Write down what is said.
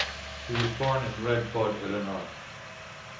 He was born in Red Bud, Illinois.